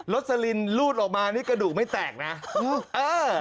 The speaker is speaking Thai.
สลินรูดออกมานี่กระดูกไม่แตกนะเออ